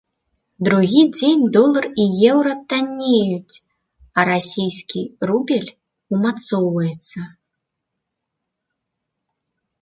Другі дзень долар і еўра таннеюць, а расійскі рубель умацоўваецца.